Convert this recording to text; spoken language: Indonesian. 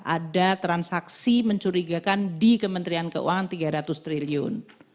ada transaksi mencurigakan di kementerian keuangan tiga ratus triliun